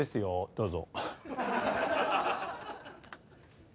どうぞ。